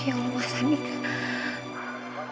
ya allah tante